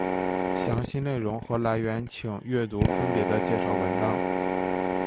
详细内容和来源请阅读分别的介绍文章。